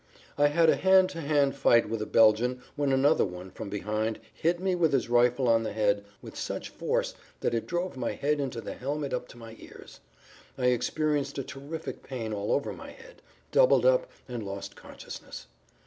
I had a hand to hand fight with a Belgian when another one from behind hit me with his rifle on the head with such force that it drove my head into the helmet up to my ears. I experienced a terrific pain all over my head, doubled up, and lost consciousness.